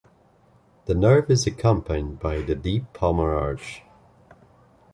The nerve is accompanied by the deep palmar arch.